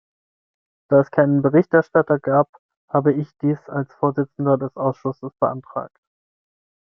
Da es keinen Berichterstatter gab, habe ich dies als Vorsitzender des Ausschusses beantragt.